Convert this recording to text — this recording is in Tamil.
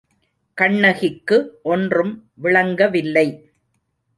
கண்ணகிக்கு ஒன்றும் விளங்கவில்லை.